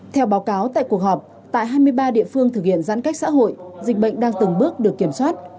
theo báo cáo tại cuộc họp tại hai mươi ba địa phương thực hiện giãn cách xã hội dịch bệnh đang từng bước được kiểm soát